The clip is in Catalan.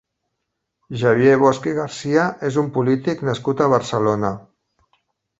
Xavier Bosch i Garcia és un polític nascut a Barcelona.